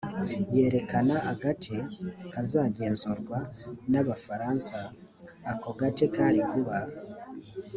yerekana agace kazagenzurwa n abafaransa ako gace kari kuba